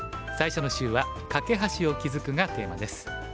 最初の週は「カケ橋を築く」がテーマです。